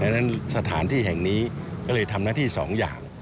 ดังนั้นสถานที่แห่งนี้ก็เลยทำหน้าที่สองอย่าง